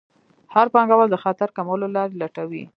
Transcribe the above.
هر پانګوال د خطر کمولو لارې لټوي.